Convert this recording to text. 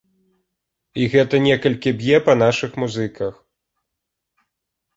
І гэта некалькі б'е па нашых музыках.